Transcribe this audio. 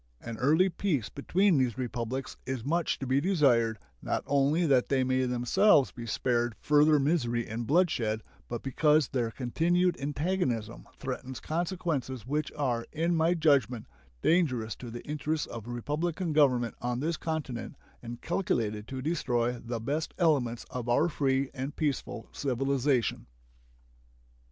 An early peace between these Republics is much to be desired, not only that they may themselves be spared further misery and bloodshed, but because their continued antagonism threatens consequences which are, in my judgment, dangerous to the interests of republican government on this continent and calculated to destroy the best elements of our free and peaceful civilization.